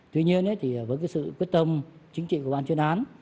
tuy nhiên thì với sự quyết tâm chính trị của ban chuyên án